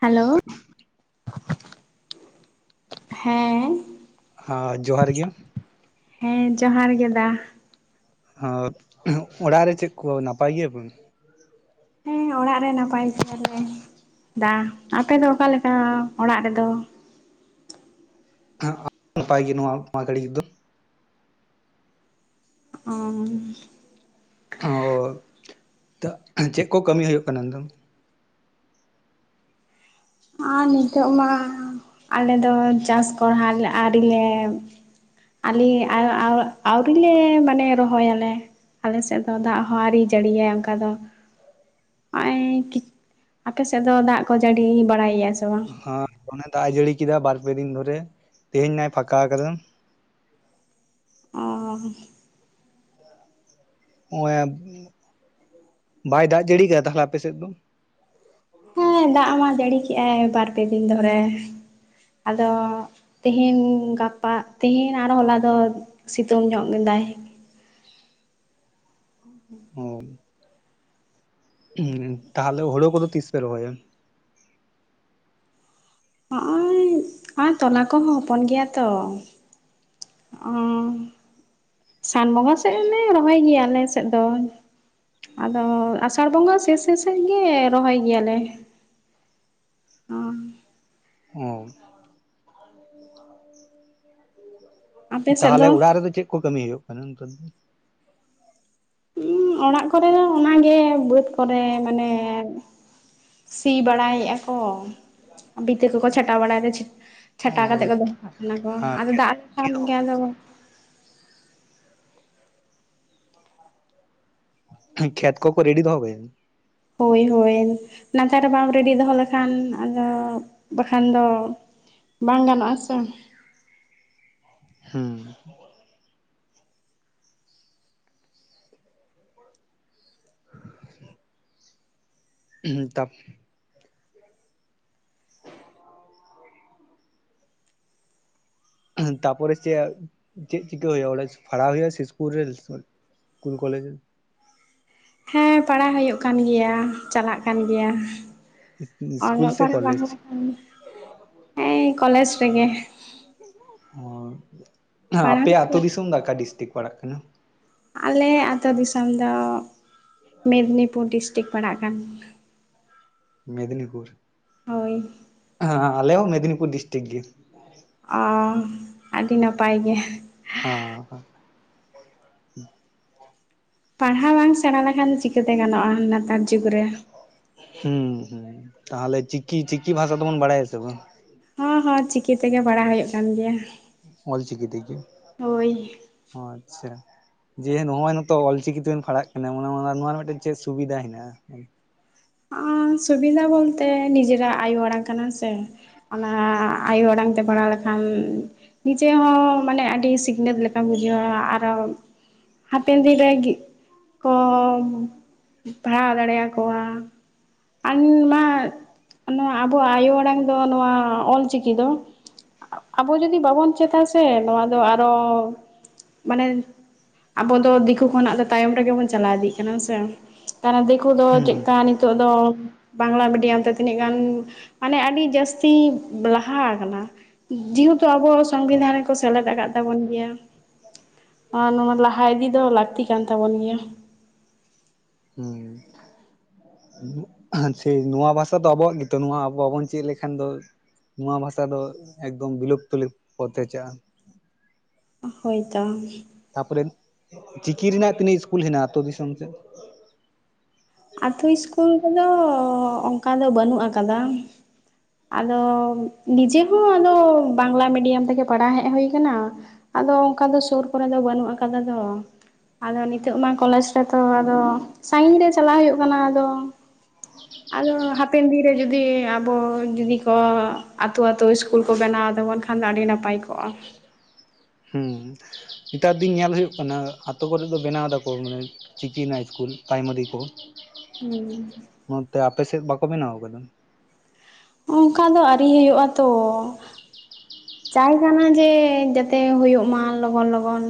Hello ᱦᱮᱸ ᱦᱚ ᱡᱚᱦᱟᱨ ᱜᱮ ᱦᱮᱸ ᱡᱚᱦᱟᱨ ᱜᱮ ᱫᱟ ᱚᱜ ᱚᱲᱟᱜ ᱨᱮ ᱪᱮᱫ ᱠᱚ ᱱᱟᱯᱟᱭ ᱜᱮᱭᱟᱵᱚᱱ? ᱦᱮᱸ ᱚᱲᱟᱜ ᱨᱮ ᱱᱟᱯᱟᱭ ᱜᱮᱭᱟᱞᱮ ᱫᱟ ᱟᱯᱮ ᱫᱚ ᱚᱠᱟᱞᱮᱠᱟ ᱚᱲᱟᱜ ᱨᱮᱫᱚ? ᱱᱟᱯᱟᱭ ᱜᱮ [inaudible] ᱱᱚᱣᱟ, ᱱᱚᱣᱟ ᱜᱷᱟᱹᱲᱤᱡ ᱫᱚ ᱚᱻ ᱚᱻ ᱱᱤᱛᱚᱜ ᱪᱮᱫ ᱠᱚ ᱠᱟᱹᱢᱤ ᱦᱩᱭᱩᱜ ᱠᱟᱱᱟ ᱱᱤᱛᱚᱝ? ᱟᱨ ᱱᱤᱛᱚᱜ ᱢᱟ ᱟᱞᱮᱫᱚ ᱪᱟᱥ ᱠᱚᱲᱦᱟ ᱟᱹᱣᱨᱤᱞᱮ ᱟᱞᱮ ᱟᱣ ᱟᱣ ᱟᱹᱣᱨᱤ ᱞᱮ ᱢᱟᱱᱮ ᱨᱚᱦᱚᱭᱟᱞᱮ ᱟᱞᱮ ᱥᱮᱫ ᱫᱚ ᱫᱟᱜ ᱦᱚᱸ ᱟᱨᱤ ᱡᱟᱹᱲᱤᱭᱟᱭ ᱚᱱᱠᱟ ᱫᱚ ᱱᱚᱜᱼᱚᱭ ᱠᱤ ᱟᱯᱮ ᱥᱮᱫ ᱫᱚ ᱫᱟᱜ ᱠᱚ ᱡᱟᱹᱲᱤ ᱵᱟᱲᱟᱭᱮ ᱥᱮ ᱵᱟᱝ ᱦᱟᱸ ᱫᱚᱢᱮ ᱫᱟᱜ ᱮ ᱡᱟᱹᱲᱤ ᱠᱮᱫᱟ ᱵᱟᱨ ᱯᱮ ᱫᱤᱱ ᱫᱷᱚᱨᱮ ᱛᱮᱦᱮᱧ ᱱᱟᱭ ᱯᱷᱟᱠᱟ ᱟᱠᱟᱫᱟ ᱚᱻ ᱱᱚᱜᱼᱚᱭ ᱵᱟᱭ ᱫᱟᱜ ᱡᱟᱹᱲᱤ ᱠᱟᱫᱟ ᱛᱟᱞᱦᱮ ᱟᱯᱮᱥᱮᱫ ᱫᱚ? ᱦᱮᱸ ᱫᱟᱜ ᱢᱟ ᱡᱟᱹᱲᱤ ᱠᱮᱜᱼᱟᱭ ᱵᱟᱨᱯᱮ ᱫᱤᱱ ᱫᱷᱚᱨᱮ ᱟᱫᱚ ᱛᱤᱦᱤᱧ ᱜᱟᱯᱟ ᱛᱤᱦᱤᱧ ᱟᱨ ᱦᱚᱞᱟ ᱫᱚ ᱥᱤᱛᱩᱝ ᱧᱚᱜ ᱠᱮᱫᱟᱭ ᱦᱳᱭ ᱛᱟᱞᱦᱮ ᱦᱳᱲᱳ ᱠᱚᱫᱚ ᱛᱤᱥᱯᱮ ᱨᱚᱦᱚᱭᱟ? ᱦᱚᱜᱼᱚᱭ ᱟᱨ ᱛᱚᱞᱟ ᱠᱚᱦᱚᱸ ᱦᱚᱯᱚᱱ ᱜᱮᱭᱟ ᱛᱚ ᱚᱻ ᱥᱟᱱ ᱵᱚᱸᱜᱟ ᱥᱮᱫ ᱞᱮ ᱨᱚᱦᱚᱭ ᱜᱮᱭᱟ ᱟᱞᱮᱥᱮᱫ ᱫᱚ ᱟᱫᱚ ᱟᱥᱟᱲ ᱵᱚᱸᱜᱟ ᱥᱮᱥ ᱥᱮᱥ ᱮᱫ ᱜᱮ ᱨᱚᱦᱚᱭ ᱜᱮᱭᱟᱞᱮ ᱚᱸ ᱟᱯᱮ ᱚᱸ ᱥᱮᱫ ᱫᱚ ᱛᱟᱦᱚᱞᱮ ᱚᱲᱟᱜ ᱨᱮᱫᱚ ᱪᱮᱫ ᱠᱚ ᱠᱟᱹᱢᱤ ᱦᱩᱭᱩᱜ ᱠᱟᱱᱟ ᱱᱤᱛᱚᱜ ᱫᱚᱼᱼ ᱦᱩᱸ ᱚᱲᱟᱜ ᱠᱚᱨᱮ ᱫᱚ ᱚᱱᱟ ᱜᱮ ᱵᱟᱹᱫᱽ ᱠᱚᱨᱮ ᱢᱟᱱᱮ ᱥᱤ ᱵᱟᱲᱟᱭᱮᱫ-ᱟᱠᱚ ᱵᱤᱛᱟᱹ ᱠᱚᱠᱚ ᱪᱷᱟᱴᱟᱣ ᱵᱟᱲᱟᱭᱟ ᱫᱟ ᱪᱷᱟᱴᱟᱣ ᱠᱟᱛᱮ ᱚ ᱠᱚ ᱫᱚᱦᱚ ᱠᱟᱜ ᱠᱟᱱᱟ ᱠᱚ ᱟᱫᱚ ᱫᱟᱜ ᱨᱮ ᱠᱷᱟᱱ ᱜᱮ ᱟᱫᱚᱼᱼ ᱠᱷᱮᱛ ᱠᱚᱠᱚ ᱨᱮᱰᱤ ᱫᱚᱦᱚ [unintelligible] ᱦᱳᱭ ᱦᱳᱭ ᱱᱮᱛᱟᱨ ᱨᱮ ᱵᱟᱢ ᱨᱮᱰᱤ ᱫᱚᱦᱚ ᱞᱮᱠᱷᱟᱱ ᱟᱫᱚ ᱵᱟᱠᱷᱟᱱ ᱫᱚ ᱵᱟᱝ ᱜᱟᱱᱚᱜ-ᱟᱥᱮᱼᱼ ᱦᱩᱸ [inaudible] ᱦᱩᱸ ᱛᱟᱯ ᱦᱩᱸ ᱛᱟᱨᱯᱚᱨᱮ ᱪᱮᱫ ᱪᱮᱫ ᱪᱤᱠᱟᱹ ᱦᱳᱭᱳᱜ-ᱟ ᱚᱸᱰᱮ ᱯᱟᱲᱦᱟᱣ ᱦᱩᱭᱩᱜ-ᱟ ᱥᱮ ᱤᱥᱠᱩᱞ ᱨᱮᱞᱼᱼ ᱤᱥᱠᱩᱞ ᱠᱚᱞᱮᱡᱽ ᱦᱮᱸ ᱯᱟᱲᱦᱟᱣ ᱦᱩᱭᱩᱜ ᱠᱟᱱ ᱜᱮᱭᱟ ᱪᱟᱞᱟᱜ ᱠᱟᱱ ᱜᱮᱭᱟ ᱤᱥᱠᱩᱞ ᱚᱞᱚᱜ ᱥᱮ ᱯᱟᱲᱦᱟᱜ ᱵᱟᱝ ᱠᱚᱞᱮᱡᱽ ᱦᱩᱭᱩᱜ ᱞᱮᱠᱷᱟᱱ ᱦᱮᱸ ᱠᱚᱞᱮᱡᱽ ᱨᱮᱜᱮ ᱚ ᱟᱯᱮᱭᱟᱜ ᱟᱹᱛᱩ ᱫᱤᱥᱚᱢ ᱫᱚ ᱟᱠᱟ ᱰᱤᱥᱴᱤᱠ ᱯᱟᱲᱟᱜ ᱠᱟᱱᱟ ᱟᱞᱮᱭᱟᱜ ᱟᱛᱳ ᱫᱤᱥᱚᱢ ᱫᱚ ᱢᱮᱫᱽᱱᱤᱯᱩᱨ ᱰᱤᱥᱴᱤᱠ ᱯᱟᱲᱟᱜ ᱠᱟᱱ ᱢᱮᱫᱽᱱᱤᱯᱩᱨ ᱦᱳᱭ ᱦᱟᱸ ᱟᱞᱮ ᱦᱚᱸ ᱢᱮᱫᱽᱱᱤᱯᱩᱨ ᱰᱤᱥᱴᱤᱠ ᱜᱮ ᱚ ᱟᱹᱰᱤ ᱱᱟᱯᱟᱭ ᱜᱮ [unintelligible] ᱯᱟᱲᱦᱟᱣ ᱵᱟᱝ ᱥᱮᱬᱟ ᱞᱮᱠᱷᱟᱱ ᱪᱤᱠᱟᱹ ᱛᱮ ᱜᱟᱱᱚᱜ-ᱟ ᱱᱮᱛᱟᱨ ᱡᱩᱜᱽ ᱨᱮ ᱦᱩᱸ ᱦᱩᱸ ᱛᱟᱦᱚᱞᱮ ᱪᱤᱠᱤ ᱪᱤᱠᱤ ᱵᱷᱟᱥᱟ ᱫᱚᱵᱚᱱ ᱵᱟᱲᱟᱭᱟ ᱟᱥᱮ ᱵᱟᱝ ᱦᱚᱸ ᱦᱚᱸ ᱪᱤᱠᱤ ᱛᱮᱜᱮ ᱯᱟᱲᱦᱟ ᱦᱩᱭᱩᱜ ᱠᱟᱱ ᱜᱮᱭᱟ ᱚᱞ ᱪᱤᱠᱤ ᱛᱮᱜᱮᱼᱼ ᱦᱳᱭ ᱚ ᱟᱪᱪᱷᱟ ᱡᱮ ᱱᱚᱜ-ᱚᱭ ᱱᱤᱛᱚ ᱚᱞᱪᱤᱠᱤ ᱛᱮᱵᱮᱱ ᱯᱟᱲᱦᱟᱜ ᱠᱟᱱᱟ ᱱᱚᱣᱟ ᱱᱚᱣᱟ ᱨᱮ ᱢᱤᱫᱴᱮᱱ ᱪᱮᱫ ᱥᱩᱵᱤᱫᱟ ᱦᱮᱱᱟᱜ-ᱟ ᱟᱸ ᱥᱩᱵᱤᱫᱷᱟ ᱵᱚᱞᱛᱮ ᱱᱤᱡᱮᱨᱟᱜ ᱟᱭᱳ ᱟᱲᱟᱝ ᱠᱟᱱᱟ ᱥᱮ ᱚᱱᱟ ᱟᱭᱳ ᱟᱲᱟᱝ ᱛᱮ ᱯᱟᱲᱦᱟᱣ ᱞᱮᱠᱷᱟᱱ ᱱᱤᱡᱮ ᱦᱚᱸ ᱢᱟᱱᱮ ᱟᱹᱰᱤ ᱥᱤᱠᱷᱱᱟᱹᱛ ᱞᱮᱠᱟᱢ ᱵᱩᱡᱷᱟᱹᱣᱟ ᱟᱨᱚ ᱦᱟᱯᱮᱱ ᱫᱤᱱ ᱨᱮ ᱠᱚ ᱯᱟᱲᱦᱟᱣ ᱫᱟᱲᱮᱭ ᱟᱠᱚᱣᱟ [unintelligible] ᱢᱟ ᱱᱚᱣᱟ ᱟᱵᱚ ᱟᱭᱳ ᱟᱲᱟᱝ ᱫᱚ ᱱᱚᱣᱟ ᱚᱞ ᱪᱤᱠᱤ ᱫᱚᱼᱼ ᱟᱵᱚ ᱡᱩᱫᱤ ᱵᱟᱵᱚᱱ ᱪᱮᱫᱟ ᱥᱮ ᱱᱚᱣᱟ ᱫᱚ ᱟᱨᱚ ᱢᱟᱱᱮ ᱟᱵᱚ ᱫᱚ ᱫᱤᱠᱩ ᱠᱷᱚᱱᱟᱜ ᱫᱚ ᱛᱟᱭᱚᱢ ᱨᱮᱜᱮ ᱵᱚᱱ ᱪᱟᱞᱟᱣ ᱤᱫᱤᱜ ᱠᱟᱱᱟ ᱥᱮ ᱟᱨᱮ ᱫᱤᱠᱩ ᱫᱚ ᱦᱩᱸ ᱪᱮᱫᱠᱟ ᱱᱤᱛᱚᱜ ᱫᱚᱼᱼ ᱵᱟᱝᱞᱟ ᱢᱤᱰᱤᱭᱟᱢ ᱛᱮ ᱛᱤᱱᱟᱹᱜ ᱜᱟᱱ ᱢᱟᱱᱮ ᱟᱹᱰᱤ ᱡᱟᱹᱥᱛᱤ ᱞᱟᱦᱟ ᱟᱠᱟᱱᱟ ᱡᱮᱦᱮᱛᱩ ᱟᱵᱚ ᱥᱚᱝᱵᱤᱫᱷᱟᱱ ᱨᱮᱠᱚ ᱥᱮᱞᱮᱫ ᱟᱠᱟᱫ ᱛᱟᱵᱚᱱ ᱜᱮᱭᱟ ᱟᱨ ᱱᱚᱣᱟ ᱞᱟᱦᱟ ᱤᱫᱤ ᱫᱚ ᱞᱟᱹᱠᱛᱤ ᱠᱟᱱ ᱛᱟᱵᱚᱱ ᱜᱮᱭᱟ ᱦᱩᱸ [unintelligible] ᱥᱮᱭ ᱱᱚᱣᱟ ᱵᱷᱟᱥᱟ ᱫᱚ ᱟᱵᱚᱣᱟᱜ ᱜᱮᱛᱚ ᱱᱚᱣᱟ ᱟᱵᱚ ᱵᱟᱵᱚᱱ ᱪᱮᱫ ᱞᱮᱠᱷᱟᱱ ᱫᱚ ᱱᱚᱣᱟ ᱵᱷᱟᱥᱟ ᱫᱚ ᱮᱠᱫᱚᱢ ᱵᱤᱞᱩᱯᱛᱚᱞᱤᱯ ᱯᱚᱛᱮ ᱪᱟᱜ-ᱟ ᱦᱳᱭ ᱛᱚ᱾ ᱛᱟᱨᱯᱚᱨᱮᱱ ᱪᱤᱠᱤ ᱨᱮᱱᱟᱜ ᱛᱤᱱᱟᱹᱜ ᱤᱥᱠᱩᱞ ᱦᱮᱱᱟᱜ-ᱟ ᱟᱛᱳ ᱫᱤᱥᱚᱢ ᱥᱮᱫ? ᱟᱛᱳ ᱤᱥᱠᱩᱞ ᱠᱚᱫᱚ ᱚᱱᱠᱟ ᱫᱚ ᱵᱟᱹᱱᱩᱜ ᱟᱠᱟᱫᱟ᱾ ᱟᱫᱚ ᱱᱤᱡᱮ ᱦᱚᱸ ᱟᱫᱚ ᱵᱟᱝᱞᱟ ᱢᱤᱰᱤᱭᱟᱢ ᱛᱮᱜᱮ ᱯᱟᱲᱦᱟᱣ ᱦᱮᱡ ᱦᱩᱭ ᱟᱠᱟᱱᱟ᱾ ᱟᱫᱚ ᱚᱱᱠᱟ ᱫᱚ ᱥᱳᱨ ᱠᱚᱨᱮ ᱫᱚ ᱵᱟᱹᱱᱩᱜ ᱟᱠᱟᱫᱟ ᱛᱚ᱾ ᱟᱫᱚ ᱱᱤᱛᱚᱜ ᱢᱟ ᱠᱚᱞᱮᱡᱽ ᱨᱮᱛᱚ ᱟᱫᱚ ᱥᱟᱺᱜᱤᱱ ᱨᱮ ᱪᱟᱞᱟᱣ ᱦᱩᱭᱩᱜ ᱠᱟᱱᱟ ᱟᱫᱚ᱾ ᱟᱫᱚ ᱦᱟᱯ- ᱯᱮᱱ ᱫᱤᱱ ᱨᱮ ᱡᱩᱫᱤ ᱟᱵᱚ ᱡᱩᱫᱤ ᱠᱚ ᱟᱛᱳ ᱟᱛᱳ ᱤᱥᱠᱩᱞ ᱠᱚ ᱵᱮᱱᱟᱣ ᱛᱟᱵᱚᱱ ᱠᱷᱟᱱ ᱫᱚ ᱟᱹᱰᱤ ᱱᱟᱯᱟᱭ ᱠᱚᱜ-ᱟ᱾ ᱦᱩᱸ ᱱᱮᱛᱟᱨ ᱫᱤᱱ ᱧᱮᱞ ᱦᱩᱭᱩᱜ ᱠᱟᱱᱟ ᱟᱛᱳ ᱠᱚᱨᱮᱫ ᱫᱚ ᱵᱮᱱᱟᱣ ᱫᱟᱠᱚ ᱢᱟᱱᱮ ᱪᱤᱠᱤ ᱨᱮᱱᱟᱜ ᱤᱥᱠᱩᱞ ᱯᱨᱟᱭᱢᱟᱨᱤ ᱠᱚ᱾ ᱦᱩᱸ ᱚᱱᱚᱛᱮ ᱟᱯᱮᱥᱮᱫ ᱵᱟᱠᱚ ᱵᱮᱱᱟᱣ ᱟᱠᱟᱫᱟ? ᱚᱱᱠᱟ ᱫᱚ ᱟᱹᱣᱨᱤ ᱦᱩᱭᱩᱜ-ᱟ ᱛᱚ᱾ ᱪᱟᱭ ᱠᱟᱱᱟ ᱡᱮ ᱡᱟᱛᱮ ᱦᱳᱭᱳᱜ ᱢᱟ ᱞᱚᱜᱚᱱ ᱞᱚᱜᱚᱱ᱾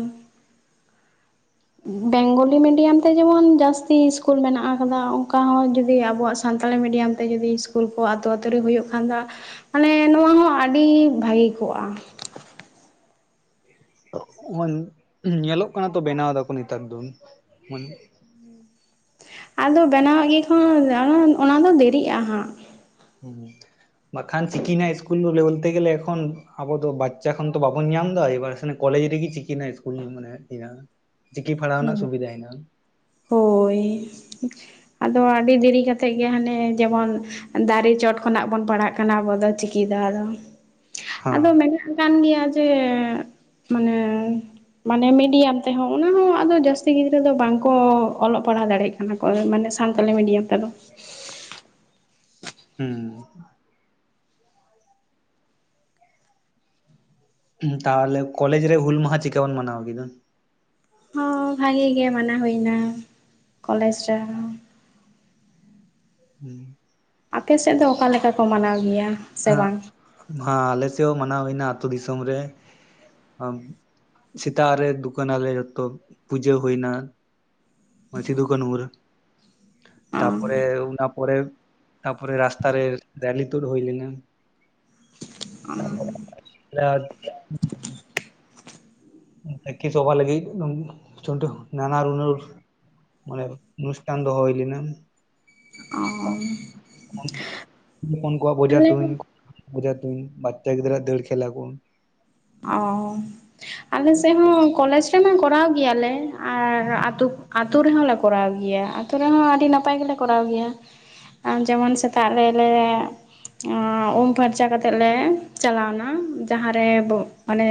ᱵᱮᱝᱜᱚᱞᱤ ᱢᱤᱰᱤᱭᱟᱢ ᱛᱮ ᱡᱮᱢᱚᱱ ᱡᱟᱹᱥᱛᱤ ᱤᱥᱠᱩᱞ ᱢᱮᱱᱟᱜ ᱟᱠᱟᱫᱟ ᱚᱱᱠᱟ ᱦᱚᱸ ᱡᱚᱫᱤ ᱟᱵᱚᱣᱟᱜ ᱥᱟᱱᱛᱟᱞᱤ ᱢᱤᱰᱤᱭᱟᱢ ᱛᱮ ᱡᱩᱫᱤ ᱤᱥᱠᱩᱞ ᱠᱚ ᱟᱛᱳ ᱟᱛᱳ ᱨᱮ ᱦᱩᱭᱩᱜ ᱠᱷᱟᱱ ᱫᱚ ᱢᱟᱱᱮ ᱱᱚᱣᱟ ᱦᱚᱸ ᱟᱹᱰᱤ ᱵᱷᱟᱜᱮ ᱠᱚᱜ-ᱟ᱾ ᱧᱮᱞᱚᱜ ᱠᱟᱱᱟ ᱛᱚ ᱵᱮᱱᱟᱣ ᱫᱟᱠᱚ ᱱᱮᱛᱟᱨ ᱫᱚ᱾ ᱟᱫᱚ ᱵᱮᱱᱟᱣᱟᱜ ᱜᱮ ᱠᱚ ᱚᱱᱟ ᱫᱚ ᱫᱮᱨᱤᱜ-ᱟ ᱦᱟᱸᱜ᱾ ᱩᱸ ᱵᱟᱠᱷᱟᱱ ᱪᱤᱠᱤ ᱨᱮᱱᱟᱜ ᱤᱥᱠᱩᱞ ᱵᱚᱞᱛᱮ ᱜᱮᱞᱮ ᱮᱠᱷᱚᱱ ᱟᱵᱚ ᱫᱚ ᱵᱟᱪᱪᱟ ᱠᱷᱚᱱ ᱛᱚ ᱵᱟᱵᱚᱱ ᱧᱟᱢ ᱫᱟ ᱮᱵᱟᱨ ᱥᱮ- ᱠᱚᱞᱮᱡᱽ ᱨᱮᱜᱮ ᱪᱤᱠᱤ ᱨᱮᱱᱟᱜ ᱤᱥᱠᱩᱞ ᱢᱟᱱᱮ ᱦᱮᱱᱟᱜ-ᱟ, ᱪᱤᱠᱤ ᱯᱟᱲᱦᱟᱣ ᱨᱮᱱᱟᱜ ᱦᱮᱸ ᱥᱩᱵᱤᱫᱟ ᱦᱮᱱᱟᱜ-ᱟ᱾ ᱦᱳᱭ ᱟᱫᱚ ᱟᱹᱰᱤ ᱫᱮᱨᱤ ᱠᱟᱛᱮᱫ ᱜᱮ ᱦᱟᱱᱮ ᱡᱮᱢᱚᱱ ᱫᱟᱨᱮ ᱪᱚᱴ ᱠᱷᱚᱱᱟᱜ ᱵᱚᱱ ᱯᱟᱲᱟᱜ ᱠᱟᱱᱟ ᱟᱵᱚ ᱫᱚ ᱪᱤᱠᱤ ᱫᱚ ᱟᱫᱚ ᱟᱫᱚ ᱢᱮᱱᱟᱜ ᱟᱠᱟᱱ ᱜᱮᱭᱟ᱾ ᱡᱮ ᱢᱟᱱᱮ ᱢᱟᱱᱮ ᱢᱤᱰᱤᱭᱟᱢ ᱛᱮᱦᱚᱸ ᱚᱱᱟ ᱦᱚᱸ ᱟᱫᱚ ᱡᱟᱹᱥᱛᱤ ᱜᱤᱫᱽᱨᱟᱹ ᱫᱚ ᱵᱟᱝ ᱠᱚ ᱚᱞᱚᱜ ᱯᱟᱲᱦᱟᱣ ᱫᱟᱲᱮᱜ ᱠᱟᱱᱟ ᱠᱚ ᱢᱟᱱᱮ ᱥᱟᱱᱛᱟᱞᱤ ᱢᱤᱰᱤᱭᱟᱢ ᱛᱮᱫᱚ᱾ ᱦᱩᱸ ᱛᱟᱦᱚᱞᱮ ᱠᱚᱞᱮᱡᱽ ᱨᱮ ᱦᱩᱞ ᱢᱟᱦᱟ ᱪᱤᱠᱟᱹ ᱵᱚᱱ ᱢᱟᱱᱟᱣ ᱠᱮᱫᱟ? ᱦᱚᱸ ᱵᱷᱟᱜᱮ ᱜᱮ ᱢᱟᱱᱟᱣ ᱦᱩᱭ ᱮᱱᱟ ᱠᱚᱞᱮᱡᱽ ᱨᱮᱦᱚᱸ᱾ ᱦᱩᱸ ᱟᱯᱮᱥᱮᱫ ᱫᱚ ᱚᱠᱟ ᱞᱮᱠᱟ ᱠᱚ ᱢᱟᱱᱟᱣ ᱜᱮᱭᱟ? ᱥᱮ ᱦᱮᱸ ᱵᱟᱝ ᱦᱮᱸ ᱟᱞᱮ ᱥᱮᱫ ᱦᱚᱸ ᱢᱟᱱᱟᱣ ᱦᱩᱭᱱᱟ ᱟᱛᱳ ᱫᱤᱥᱚᱢ ᱨᱮ᱾ ᱥᱮᱛᱟᱜ ᱨᱮ ᱫᱩᱠᱟᱱᱟᱞᱮ ᱡᱚᱛᱚ ᱯᱩᱡᱟᱹ ᱦᱩᱭ ᱮᱱᱟ᱾ ᱥᱤᱫᱩ ᱠᱟᱱᱦᱩ ᱨᱮ᱾ ᱚ ᱛᱟᱯᱚᱨᱮ ᱚᱱᱟ ᱯᱚᱨᱮ ᱛᱟᱯᱚᱨᱮ ᱨᱟᱥᱛᱟ ᱨᱮ ᱨᱮᱞᱤ ᱛᱩᱫ ᱦᱩᱭ ᱞᱮᱱᱟ᱾ ᱛᱟᱯᱚᱨᱮ [unintelligible] [inaudible] ᱥᱟᱹᱠᱷᱤ ᱥᱚᱵᱷᱟ ᱞᱟᱹᱜᱤᱫ ᱪᱚᱢᱴᱩ ᱱᱟᱱᱟᱨ ᱦᱩᱱᱟᱨ ᱢᱟᱱᱮ ᱚᱱᱩᱥᱴᱟᱱ ᱫᱚᱦᱚ ᱦᱩᱭ ᱞᱮᱱᱟ᱾ ᱚ ᱦᱚᱸ ᱩᱱᱠᱩᱣᱟᱜ ᱵᱚᱡᱟ ᱟᱞᱮ ᱛᱩᱧ ᱵᱚᱡᱟ ᱛᱩᱧ ᱵᱟᱪᱪᱟ ᱜᱤᱫᱽᱨᱟᱹᱣᱟᱜ ᱫᱟᱹᱲ ᱠᱷᱮᱞᱟ ᱠᱚ᱾ ᱚ ᱟᱞᱮ ᱥᱮᱫ ᱦᱚᱸ ᱠᱚᱞᱮᱡᱽ ᱨᱮᱢᱟ ᱠᱚᱨᱟᱣ ᱜᱮᱭᱟᱞᱮ ᱟᱨ ᱟᱛᱩᱜ ᱟᱛᱳ ᱨᱮᱦᱚᱸ ᱞᱮ ᱠᱚᱨᱟᱣ ᱜᱮᱭᱟ᱾ ᱟᱛᱳ ᱨᱮᱦᱚᱸ ᱟᱹᱰᱤ ᱱᱟᱯᱟᱭ ᱜᱮᱞᱮ ᱠᱚᱨᱟᱣ ᱜᱮᱭᱟ ᱟᱨ ᱡᱮᱢᱚᱱ ᱥᱮᱛᱟᱜ ᱨᱮᱞᱮ ᱩᱢ ᱯᱷᱟᱨᱪᱟ ᱠᱟᱛᱮᱜ ᱞᱮ ᱪᱟᱞᱟᱣᱱᱟ ᱡᱟᱦᱟᱸᱨᱮ ᱢᱟᱱᱮ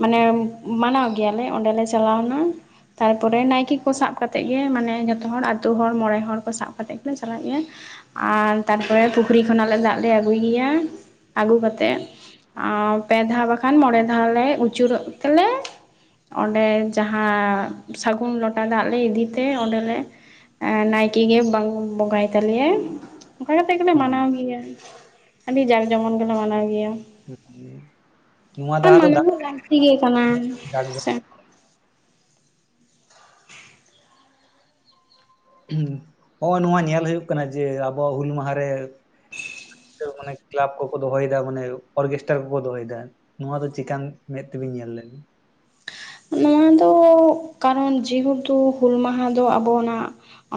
ᱢᱟᱱᱮ ᱢᱟᱱᱟᱣ ᱜᱮᱭᱟᱞᱮ ᱚᱸᱰᱮᱞᱮ ᱪᱟᱞᱟᱣᱱᱟ ᱛᱟᱨᱯᱚᱨᱮ ᱱᱟᱭᱠᱮ ᱠᱚ ᱥᱟᱵ ᱠᱟᱛᱮᱫ ᱜᱮ ᱢᱟᱱᱮ ᱡᱚᱛᱚ ᱦᱚᱲ ᱟᱛᱳ ᱦᱚᱲ ᱢᱚᱬᱮ ᱦᱚᱲ ᱠᱚ ᱥᱟᱵ ᱠᱟᱛᱮᱫ ᱜᱮᱞᱮ ᱪᱟᱞᱟᱜ ᱜᱮᱭᱟ ᱟᱨ ᱛᱟᱨᱯᱚᱨᱮ ᱯᱩᱠᱷᱨᱤ ᱠᱷᱚᱱᱟᱜᱞᱮ ᱫᱟᱜ ᱞᱮ ᱟᱹᱜᱩᱭ ᱜᱮᱭᱟ ᱟᱹᱜᱩ ᱠᱟᱛᱮᱫ ᱟᱨ ᱯᱮ ᱫᱷᱟᱣ ᱵᱟᱠᱷᱟᱱ ᱢᱚᱬᱮ ᱫᱷᱟᱣ ᱞᱮ ᱟᱹᱪᱩᱨᱚᱜ ᱛᱮᱞᱮ ᱚᱸᱰᱮ ᱡᱟᱦᱟᱸ ᱥᱟᱹᱜᱩᱱ ᱞᱚᱴᱟ ᱫᱟᱜ ᱞᱮ ᱤᱫᱤᱛᱮ ᱚᱸᱰᱮᱞᱮ ᱱᱟᱭᱠᱤ ᱜᱮ ᱵᱟᱝ ᱵᱚᱸᱜᱟᱭ ᱛᱟᱞᱮ ᱟᱭ ᱚᱱᱠᱟ ᱠᱟᱛᱮ ᱜᱮᱞᱮ ᱦᱩᱸ, ᱢᱟᱱᱟᱣ ᱜᱮᱭᱟ ᱟᱹᱰᱤ ᱡᱟᱠ ᱡᱚᱢᱚᱱ ᱜᱮᱞᱮ ᱢᱟᱱᱟᱣ ᱜᱮᱭᱟ [inaudible] ᱱᱚᱣᱟ ᱟᱨ ᱫᱷᱟᱣ ᱫᱚ ᱢᱟᱱᱟ ᱫᱟᱜ ᱦᱚᱸ ᱞᱟᱠᱛᱤ ᱜᱮ ᱠᱟᱱᱟ᱾ ᱡᱟᱠ ᱥᱮ ᱡᱚᱢᱚᱠ ᱦᱚᱜᱼᱚᱭ ᱱᱚᱣᱟ ᱧᱮᱞ ᱦᱩᱭᱩᱜ ᱠᱟᱱᱟ ᱡᱮ ᱟᱵᱚᱣᱟᱜ ᱦᱩᱞ ᱢᱟᱦᱟᱨᱮ ᱢᱟᱱᱮ ᱠᱮᱞᱟᱵᱽ ᱠᱚᱠᱚ ᱫᱚᱦᱚᱭᱮᱫᱟ ᱢᱟᱱᱮ ᱚᱨᱜᱮᱥᱴᱨᱟ ᱠᱚᱠᱚ ᱫᱚᱦᱚᱭᱮᱫᱟ, ᱱᱚᱣᱟ ᱫᱚ ᱪᱤᱠᱟᱱ ᱢᱮᱫ ᱛᱮᱵᱤᱱ ᱧᱮᱞ ᱞᱮᱱᱟ᱾ ᱱᱚᱣᱟ ᱫᱚ ᱠᱟᱨᱚᱱ ᱡᱮᱦᱮᱛᱩ ᱦᱩᱞ ᱢᱟᱦᱟ ᱫᱚ ᱟᱵᱚᱱᱟᱜ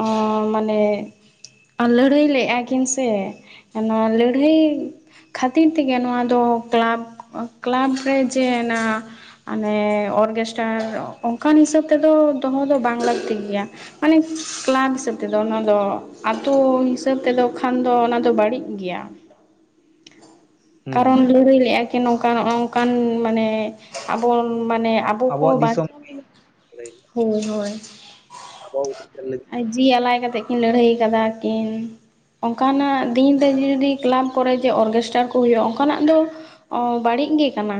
ᱚ ᱢᱟᱱᱮ ᱟᱨ ᱞᱟᱹᱲᱦᱟᱹᱭ ᱞᱮᱫᱼᱟ ᱠᱤᱱ ᱥᱮ ᱱᱚᱣᱟ ᱞᱟᱹᱲᱦᱟᱹᱭ ᱠᱷᱟᱹᱛᱤᱨ ᱛᱮᱜᱮ ᱱᱚᱣᱟ ᱫᱚ ᱠᱞᱟᱵᱽ ᱠᱞᱟᱵᱽ ᱨᱮ ᱡᱮ ᱚᱱᱟ ᱢᱟᱱᱮ ᱚᱨᱜᱮᱥᱴᱟᱨ ᱚᱱᱠᱟᱱ ᱦᱤᱥᱟᱹᱵ ᱛᱮᱫᱚ ᱫᱚᱦᱚ ᱫᱚ ᱵᱟᱝ ᱞᱟᱹᱠᱛᱤ ᱜᱮᱭᱟ᱾ ᱢᱟᱱᱮ ᱠᱞᱟᱵᱽ ᱦᱤᱥᱟᱹᱵ ᱛᱮᱫᱚ ᱚᱱᱟ ᱫᱚ ᱟᱹᱛᱩ ᱦᱤᱥᱟᱹᱵ ᱛᱮᱫᱚ ᱠᱷᱟᱱ ᱫᱚ ᱚᱱᱟ ᱫᱚ ᱵᱟᱹᱲᱤᱡ ᱜᱮᱭᱟ᱾ [inaudible] ᱠᱟᱨᱚᱱ ᱞᱟᱹᱲᱟᱹᱭ ᱞᱮᱫᱼᱟ ᱠᱤ ᱱᱚᱝᱠᱟ ᱱᱚᱜ ᱱᱚᱝᱠᱟᱱ ᱢᱟᱱᱮ ᱟᱵᱚᱱ ᱢᱟᱱᱮ ᱟᱵᱚᱣᱟᱜ ᱵᱟᱝ ᱫᱤᱥᱚᱢ ᱪᱚᱝ ᱦᱳᱭ ᱦᱳᱭ ᱟᱵᱚ [unintelligible] ᱡᱤᱣᱤ ᱟᱞᱟᱭ ᱠᱟᱛᱮᱫ ᱠᱤᱱ ᱞᱟᱹᱲᱦᱟᱹᱭ ᱠᱟᱫᱟ ᱠᱤᱱ᱾ ᱚᱱᱠᱟᱱᱟᱜ ᱫᱤᱱ ᱨᱮ ᱡᱩᱫᱤ ᱠᱞᱟᱵᱽ ᱠᱚᱨᱮ ᱡᱮ ᱚᱨᱜᱮᱥᱴᱟᱨ ᱠᱚ ᱦᱩᱭᱩᱜᱼᱟ, ᱚᱱᱠᱟᱱᱟᱜ ᱫᱚ ᱚ ᱵᱟᱹᱲᱤᱡ ᱜᱮ ᱠᱟᱱᱟ᱾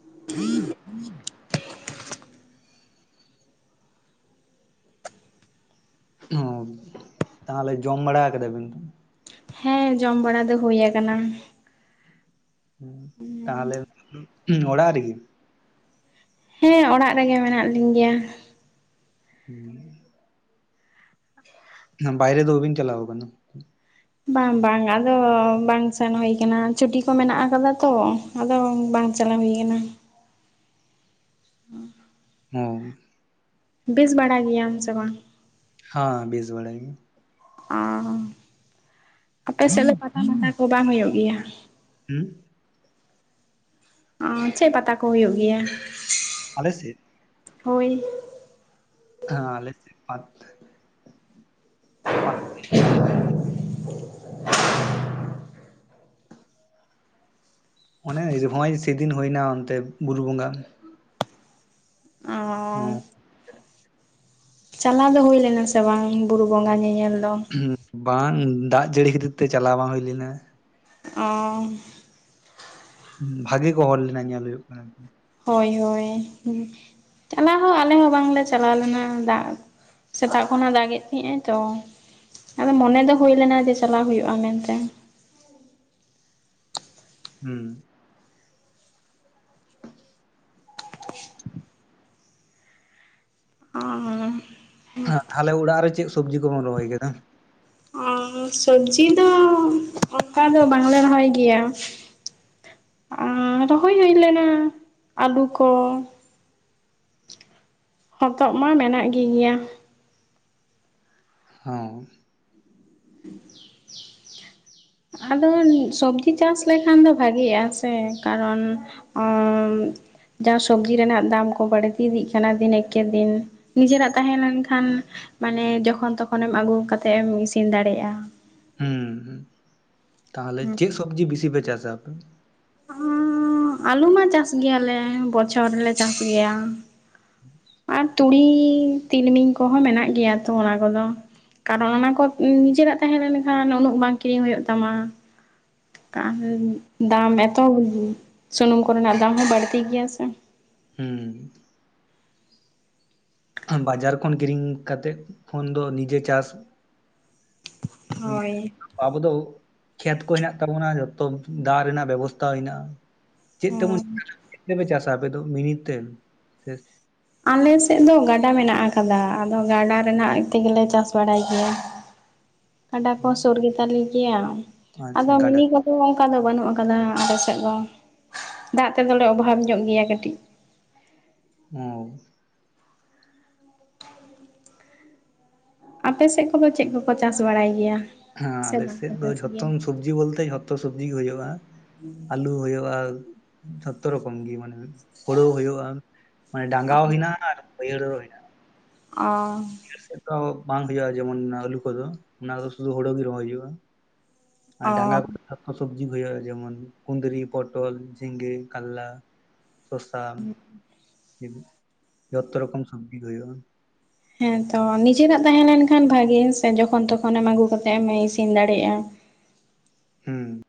[inaudible] ᱚ ᱛᱟᱦᱚᱞᱮ ᱡᱚᱢ ᱵᱟᱲᱟ ᱠᱟᱫᱟ ᱵᱤᱱ᱾ ᱦᱮᱸ ᱡᱚᱢ ᱵᱟᱲᱟ ᱫᱚ ᱦᱩᱭ ᱟᱠᱟᱱᱟ᱾ ᱛᱟᱦᱚᱞᱮ ᱚᱲᱟᱜ ᱨᱤᱡᱤᱜ ᱦᱮᱸ ᱚᱲᱟᱜ ᱨᱮᱜᱮ ᱢᱮᱱᱟᱜ ᱞᱤᱧ ᱜᱮᱭᱟ᱾ [inaudible] ᱵᱟᱭᱨᱮ ᱫᱚ ᱵᱟᱵᱤᱱ ᱪᱟᱞᱟᱣ ᱠᱟᱱᱟ᱾ ᱵᱟᱝ ᱵᱟᱝ ᱟᱫᱚ ᱵᱟᱝ ᱥᱮᱱ ᱦᱩᱭ ᱟᱠᱟᱱᱟ ᱪᱷᱩᱴᱤ ᱠᱚ ᱢᱮᱱᱟᱜ ᱟᱠᱟᱫᱟ ᱛᱚ᱾ ᱟᱫᱚ ᱵᱟᱝ ᱪᱟᱞᱟᱣ ᱦᱩᱭ ᱟᱠᱟᱱᱟ᱾ [inaudible] ᱚ ᱵᱮᱥ ᱵᱟᱲᱟ ᱜᱮᱭᱟᱢ ᱥᱮ ᱵᱟᱝ? ᱦᱮᱸ ᱵᱮᱥ ᱵᱟᱲᱟ ᱜᱮ᱾ ᱚ ᱟᱯᱮ ᱥᱮᱫ ᱫᱚ ᱯᱟᱛᱟ ᱢᱟᱛᱟ ᱠᱚ ᱵᱟᱝ ᱦᱩᱭᱩᱜ ᱜᱮᱭᱟ᱾ ᱦᱮᱸ ᱪᱮᱫ ᱯᱟᱛᱟ ᱠᱚ ᱦᱩᱭᱩᱜ ᱜᱮᱭᱟ᱾ ᱟᱞᱮ ᱥᱮᱫ ᱦᱳᱭ ᱦᱟᱸ ᱞᱟᱹᱭ ᱛᱟᱦᱮ [unintelligible] [inaudible] ᱚᱱᱮ ᱦᱚᱸᱭ ᱥᱮᱫᱤᱱ ᱦᱩᱭ ᱮᱱᱟ ᱚᱱᱛᱮ ᱵᱩᱨᱩ ᱵᱚᱸᱜᱟ ᱚ ᱪᱟᱞᱟᱣ ᱫᱚ ᱦᱳᱭ ᱞᱮᱱᱟ ᱥᱮ ᱵᱟᱝ ᱵᱩᱨᱩ ᱵᱚᱸᱜᱟ ᱧᱮᱧᱮᱞ ᱫᱚ? ᱩᱸᱜ ᱵᱟᱝ ᱫᱟᱜ ᱡᱟᱹᱲᱤ ᱠᱷᱟᱹᱛᱤᱨ ᱛᱮ ᱪᱟᱞᱟᱣ ᱵᱟᱝ ᱦᱩᱭ ᱞᱮᱱᱟ ᱾ ᱚᱻ ᱵᱷᱟᱜᱮ ᱠᱚ ᱦᱚᱲ ᱞᱮᱱᱟ ᱧᱮᱞ ᱦᱩᱭᱩᱜ ᱠᱟᱱᱟ ᱾ ᱦᱳᱭ ᱦᱳᱭ ᱪᱟᱞᱟᱣ ᱦᱚᱸ ᱟᱞᱮ ᱦᱚᱸ ᱵᱟᱝ ᱞᱮ ᱪᱟᱞᱟᱣ ᱞᱮᱱᱟ ᱫᱟᱜ ᱥᱮᱛᱟᱜ ᱠᱷᱚᱱᱟᱜ ᱫᱟᱜᱮᱫ ᱛᱟᱦᱮᱸᱜᱼ ᱟᱭ ᱛᱚ ᱾ ᱟᱫᱚ ᱢᱚᱱᱮ ᱫᱚ ᱦᱳᱭ ᱞᱮᱱᱟ ᱡᱮ ᱪᱟᱞᱟᱣ ᱦᱳᱭᱳᱜᱼᱟ ᱢᱮᱱᱛᱮ ᱾ ᱦᱩᱸ ᱟᱨ ᱟᱞᱮ ᱚᱲᱟᱜ ᱨᱮ ᱪᱮᱫ ᱥᱚᱵᱽᱡᱤ ᱠᱚᱵᱚᱱ ᱨᱚᱦᱚᱭ ᱠᱮᱫᱟ? ᱩᱸ ᱥᱚᱵᱡᱤ ᱫᱚ ᱚᱱᱠᱟ ᱫᱚ ᱵᱟᱝᱞᱮ ᱨᱚᱦᱚᱭ ᱜᱮᱭᱟ ᱩᱸ ᱨᱚᱦᱚᱭ ᱦᱩᱭ ᱞᱮᱱᱟ ᱟᱹᱞᱩ ᱠᱚ ᱦᱚᱛᱚᱜ ᱢᱟ ᱢᱮᱱᱟᱜ ᱜᱮ ᱜᱮᱭᱟ ᱦᱚᱸ ᱟᱫᱚ ᱥᱚᱵᱡᱤ ᱪᱟᱥ ᱞᱮᱠᱷᱟᱱ ᱫᱚ ᱵᱷᱟᱜᱮᱜᱼᱟ ᱥᱮ ᱠᱟᱨᱚᱱ ᱚᱸᱜᱻ ᱡᱟᱦᱟᱸ ᱥᱚᱵᱡᱤ ᱨᱮᱱᱟᱜ ᱫᱟᱢ ᱠᱚ ᱵᱟᱹᱲᱛᱤ ᱤᱫᱤᱜ ᱠᱟᱱᱟ ᱫᱤᱱ ᱮᱠᱮ ᱫᱤᱱ ᱱᱤᱡᱮᱨᱟᱜ ᱛᱟᱦᱮᱸ ᱞᱮᱱᱠᱷᱟᱱ ᱢᱟᱱᱮ ᱡᱚᱠᱷᱚᱱ ᱛᱚᱠᱷᱚᱱᱮᱢ ᱟᱹᱜᱩ ᱠᱟᱛᱮᱫ ᱮᱢ ᱤᱥᱤᱱ ᱫᱟᱲᱮᱜᱼᱟ। ᱦᱩᱸ ᱦᱩᱸ ᱛᱟᱞᱦᱮ ᱪᱮᱫ ᱥᱚᱵᱽᱡᱤ ᱵᱤᱥᱤ ᱯᱮ ᱪᱟᱥᱟ ᱟᱯᱮ? ᱩᱸᱜᱻ ᱟᱞᱩ ᱢᱟ ᱪᱟᱥ ᱜᱮᱭᱟᱞᱮ ᱵᱚᱪᱷᱚᱨ ᱨᱮᱞᱮ ᱪᱟᱥ ᱜᱮᱭᱟ। ᱟᱨ ᱛᱩᱲᱤ ᱛᱤᱞᱢᱤᱧ ᱠᱚᱦᱚᱸ ᱢᱮᱱᱟᱜ ᱜᱮᱭᱟ ᱛᱚ ᱚᱱᱟ ᱠᱚᱫᱚ ᱠᱟᱨᱚᱱ ᱚᱱᱟ ᱠᱚ ᱱᱤᱡᱮᱨᱟᱜ ᱛᱟᱦᱮᱸ ᱞᱮᱱᱠᱷᱟᱱ ᱩᱱᱟᱹᱜ ᱵᱟᱝ ᱠᱤᱨᱤᱧ ᱦᱩᱭᱩᱜ ᱛᱟᱢᱟ। ᱟᱨ ᱫᱟᱢ ᱮᱛᱚ ᱥᱩᱱᱩᱢ ᱠᱚᱨᱮᱱᱟᱜ ᱫᱟᱢ ᱦᱚᱸ ᱵᱟᱹᱲᱛᱤ ᱜᱮᱭᱟ ᱥᱮ ᱦᱩᱸ ᱵᱟᱡᱟᱨ ᱠᱷᱚᱱ ᱠᱤᱨᱤᱧ ᱠᱟᱛᱮᱫ ᱠᱷᱚᱱ ᱫᱚ ᱱᱤᱡᱮ ᱪᱟᱥ ᱡᱮ ᱦᱳᱭ ᱟᱵᱚ ᱫᱚ ᱠᱷᱮᱛ ᱠᱚ ᱦᱮᱱᱟᱜ ᱛᱟᱵᱚᱱᱟ ᱡᱚᱛᱚ ᱫᱟᱜ ᱨᱮᱱᱟᱜ ᱵᱮᱵᱚᱥᱛᱟ ᱦᱮᱱᱟᱜᱼᱟ ᱪᱮᱫ ᱛᱮᱵᱚᱱ ᱦᱚᱸ [inaudible] ᱪᱮᱫ ᱛᱮᱯᱮ ᱪᱟᱥᱟ ᱟᱯᱮ ᱫᱚ ᱢᱤᱱᱤ ᱛᱮ? ᱥᱮ ᱟᱞᱮᱥᱮᱫ ᱫᱚ ᱜᱟᱰᱟ ᱢᱮᱱᱟᱜ ᱟᱠᱟᱫᱟ ᱟᱫᱚ ᱜᱟᱰᱟ ᱨᱮᱱᱟᱜ ᱛᱮᱜᱮᱞᱮ ᱪᱟᱥ ᱵᱟᱲᱟᱭ ᱜᱮᱭᱟ। ᱠᱟᱰᱟ ᱠᱚ ᱥᱳᱨ ᱜᱮᱛᱟᱞᱮ ᱜᱮᱭᱟ ᱟᱫᱚ ᱟᱪᱪᱷᱟ ᱜᱟᱰᱟ ᱢᱤᱱᱤ ᱠᱚ ᱛᱚ ᱚᱱᱠᱟ ᱫᱚ ᱵᱟᱹᱱᱩᱜ ᱟᱠᱟᱫᱟ ᱟᱞᱮ ᱥᱮᱫ ᱫᱚ ᱫᱟᱜ ᱛᱮᱫᱚᱞᱮ ᱚᱵᱷᱟᱵᱽ ᱧᱚᱜ ᱜᱮᱭᱟ ᱠᱟᱹᱴᱤᱡ। ᱚ ᱟᱯᱮ ᱥᱮᱫ ᱠᱚᱫᱚ ᱪᱮᱫ ᱠᱚᱠᱚ ᱪᱟᱥ ᱵᱟᱲᱟᱭ ᱜᱮᱭᱟ? ᱦᱮᱸ ᱥᱮ ᱵᱟᱝᱠᱚ ᱟᱞᱮᱥᱮᱫ ᱫᱚ ᱪᱟᱥ ᱜᱮᱭᱟ ᱡᱷᱚᱛᱚᱢ ᱥᱚᱵᱡᱤ ᱵᱚᱞᱛᱮ ᱡᱷᱚᱛᱚ ᱥᱚᱵᱡᱤ ᱜᱮ ᱦᱳᱭᱳᱜᱼᱟ ᱟᱹᱞᱩ ᱦᱳᱭᱳᱜᱼᱟ ᱡᱷᱚᱛᱚ ᱨᱚᱠᱚᱢ ᱜᱮ ᱢᱟᱱᱮ ᱦᱳᱲᱳ ᱦᱳᱭᱳᱜᱼᱟ ᱢᱟᱱᱮ ᱰᱟᱸᱜᱟ ᱦᱚᱸ ᱦᱮᱱᱟᱜᱼᱟ ᱟᱨ ᱵᱟᱹᱭᱦᱟᱹᱲ ᱦᱚᱸ ᱦᱮᱱᱟᱜᱼᱟ। ᱚᱻ ᱥᱮᱫ ᱫᱚ ᱵᱟᱝ ᱦᱳᱭᱳᱜᱼᱟ ᱡᱮᱢᱚᱱ ᱟᱹᱞᱩ ᱠᱚᱫᱚ ᱚᱱᱟ ᱫᱚ ᱥᱩᱫᱷᱩ ᱦᱳᱲᱳ ᱜᱮ ᱨᱚᱦᱚᱭ ᱦᱩᱭᱩᱜᱼᱟ। ᱟᱨ ᱚ ᱰᱟᱸᱜᱟ ᱠᱚ ᱥᱚᱵᱽᱡᱤ ᱦᱩᱭᱩᱜᱼᱟ ᱡᱢᱚᱱ ᱠᱩᱸᱫᱽᱨᱤ ᱯᱚᱴᱚᱞ ᱡᱷᱤᱸᱜᱟᱹ ᱠᱟᱨᱞᱟ ᱥᱚᱥᱟ ᱡᱷᱚᱛᱚ ᱨᱚᱠᱚᱢ ᱥᱚᱵᱽᱡᱤ ᱦᱳᱭᱳᱜᱼᱟ। ᱦᱮᱸ ᱛᱚ ᱱᱤᱡᱮᱨᱟᱜ ᱛᱟᱦᱮᱸ ᱞᱮᱱᱠᱷᱟᱱ ᱵᱷᱟᱹᱜᱤ ᱦᱮᱸ ᱥᱮ ᱡᱚᱠᱷᱚᱱ ᱛᱚᱠᱷᱚᱱᱮᱢ ᱟᱹᱜᱩ ᱠᱟᱛᱮᱜ ᱮᱢ ᱤᱥᱤᱱ ᱫᱟᱲᱮᱭᱟᱜᱼᱟ᱾ ᱦᱩᱸ᱾